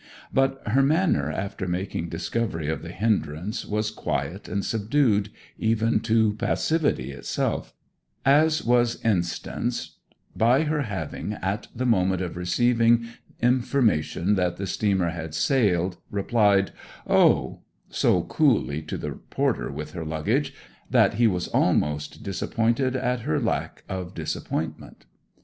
But her manner after making discovery of the hindrance was quiet and subdued, even to passivity itself; as was instanced by her having, at the moment of receiving information that the steamer had sailed, replied 'Oh,' so coolly to the porter with her luggage, that he was almost disappointed at her lack of disappointment.